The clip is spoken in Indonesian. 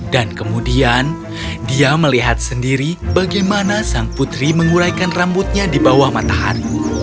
kemudian dia melihat sendiri bagaimana sang putri menguraikan rambutnya di bawah matahari